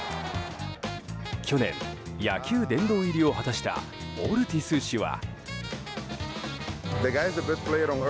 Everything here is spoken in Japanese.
去年、野球殿堂入りを果たしたオルティス氏は。